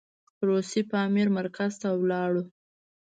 روسي پامیر مرکز ته ولاړو.